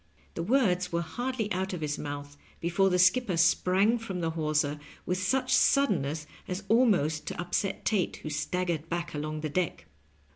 The words were hardly out of his mouth before the skipper sprang from the hawser with such suddenness as almost to upset Tate, who staggered back along the deck.